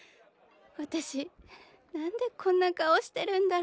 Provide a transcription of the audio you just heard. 私なんでこんな顔してるんだろうなあ。